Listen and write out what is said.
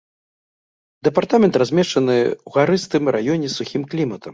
Дэпартамент размешчаны ў гарыстым раёне з сухім кліматам.